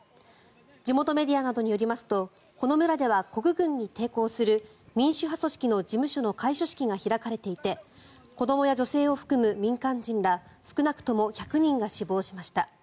地元メディアなどによりますとこの村では国軍に抵抗する民主派組織の事務所の開所式が開かれていて子どもや女性を含む民間人ら少なくとも１００人が死亡しました。